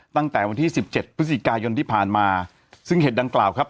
ตั้งแต่วันที่สิบเจ็ดพฤศจิกายนที่ผ่านมาซึ่งเหตุดังกล่าวครับ